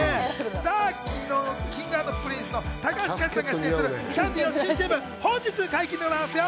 昨日、Ｋｉｎｇ＆Ｐｒｉｎｃｅの高橋海人さんが出演するキャンディーの新ＣＭが本日解禁ですよ。